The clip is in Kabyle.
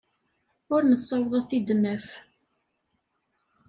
Ur nessaweḍ ad t-id-naf.